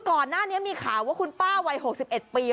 ก่อนหน้านี้มีข่าวว่าคุณป้าวัย๖๑ปี